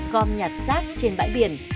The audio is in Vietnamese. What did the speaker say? gom nhạt sát trên bãi biển